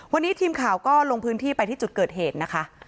วันนี้ทีมข่าวก็ลงพื้นที่ไปที่จุดเกิดเหตุนะคะ